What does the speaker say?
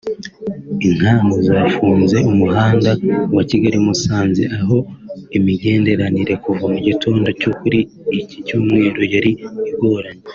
Inkangu zafunze umuhanda wa Kigali-Musanze aho imigenderanire kuva mu gitondo cyo kuri iki Cyumweru yari igoranye